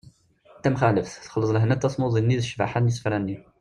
d tamxaleft : texleḍ lehna n tasmuḍi-nni d ccbaḥa n yisefra-nni